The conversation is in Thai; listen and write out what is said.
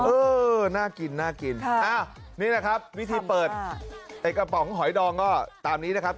เออน่ากินน่ากินนี่แหละครับวิธีเปิดไอ้กระป๋องหอยดองก็ตามนี้นะครับ